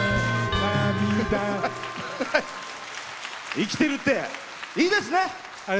生きてるっていいですね。